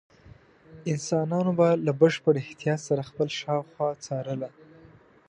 انسانانو به له بشپړ احتیاط سره خپله شاوخوا څارله.